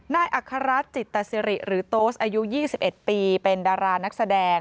อัครราชจิตตสิริหรือโต๊สอายุ๒๑ปีเป็นดารานักแสดง